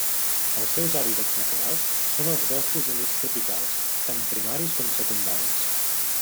Els seus hàbitats naturals són els boscos humits tropicals, tant primaris com secundaris.